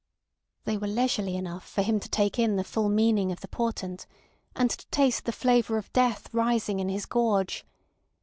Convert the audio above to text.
They were leisurely enough for him to take in the full meaning of the portent, and to taste the flavour of death rising in his gorge.